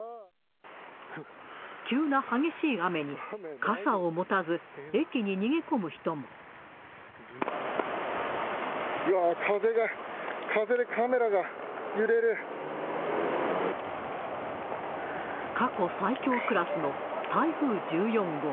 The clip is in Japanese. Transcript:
急な激しい雨に傘を持たず、うわー、風が、過去最強クラスの台風１４号。